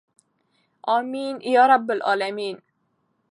امین یا رب العالمین.